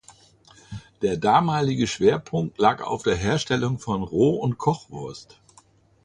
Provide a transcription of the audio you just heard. Der damalige Schwerpunkt lag auf der Herstellung von Roh- und Kochwurst.